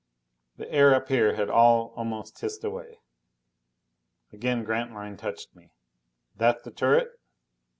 The air up here had all almost hissed away. Again Grantline touched me. "That the turret?"